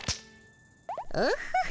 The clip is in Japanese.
オホッ。